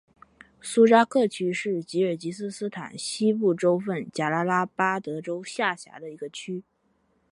苏扎克区是吉尔吉斯斯坦西部州份贾拉拉巴德州下辖的一个区。